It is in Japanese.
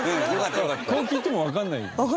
こう聞いてもわかんないでしょ？